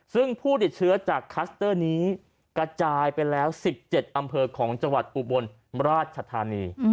ซึ่งผู้ติดเชื้อจากคัสเตอร์นี้กระจายไปแล้ว๑๗อำเภอของจังหวัดอุบลราชธานี